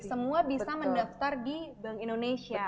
semua bisa mendaftar di bank indonesia